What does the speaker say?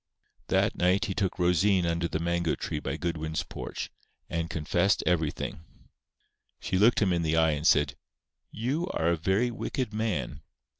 That night he took Rosine under the mango tree by Goodwin's porch, and confessed everything. She looked him in the eye, and said: "You are a very wicked man.